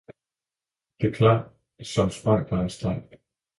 – det klang som sprang der en streng.